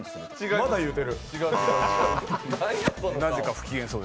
まだ言うてる。